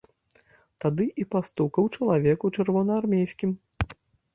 Тады і пастукаў чалавек у чырвонаармейскім.